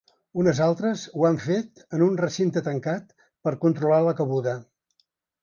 Unes altres ho han fet en un recinte tancat per controlar la cabuda.